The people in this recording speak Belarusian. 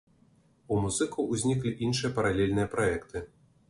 У музыкаў узніклі іншыя паралельныя праекты.